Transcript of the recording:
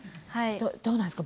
どうなんですか？